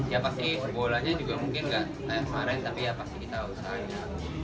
ya pasti bolanya juga mungkin nggak kayak kemarin tapi ya pasti kita usahanya